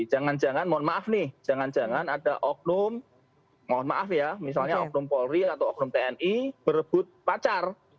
jangan jangan mohon maaf nih jangan jangan ada oknum mohon maaf ya misalnya oknum polri atau oknum tni berebut pacar